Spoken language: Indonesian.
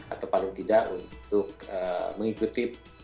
atau paling tidak untuk mengikuti